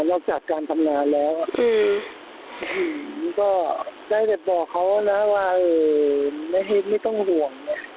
ออกจากการทำงานแล้วก็ได้แต่บอกเขานะว่าไม่ต้องห่วง